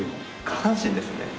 下半身ですね。